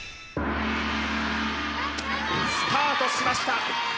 スタートしました